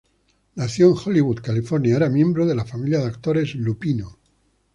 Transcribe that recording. Nacido en Hollywood, California, era miembro de la familia de actores Lupino.